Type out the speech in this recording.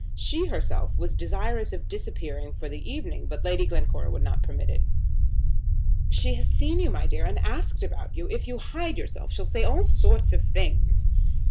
She herself was desirous of disappearing for that evening, but Lady Glencora would not permit it. "She has seen you, my dear, and asked about you. If you hide yourself, she'll say all sorts of things."